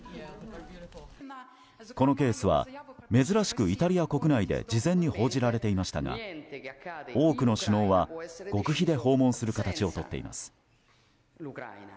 このケースは珍しくイタリア国内で事前に報じられていましたが多くの首脳は極秘で訪問する形をとっています。